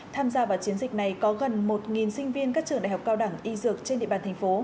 tham gia vào chiến dịch này có gần một sinh viên các trường đại học cao đẳng y dược trên địa bàn thành phố